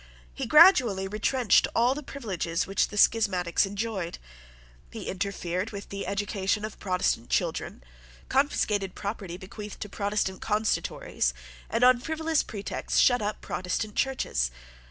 He gradually retrenched all the privileges which the schismatics enjoyed. He interfered with the education of Protestant children, confiscated property bequeathed to Protestant consistories, and on frivolous pretexts shut up Protestant churches.